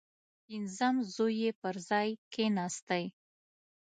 پنځم زوی یې پر ځای کښېنستی.